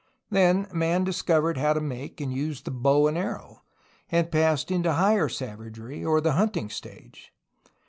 Then man discovered how to make and use the bow and arrow, and passed into higher savagery, or the hunting stage.